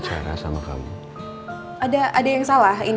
sama sama kang luand disputing serang